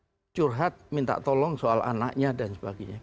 contoh mereka sering curhat minta tolong soal anaknya dan sebagainya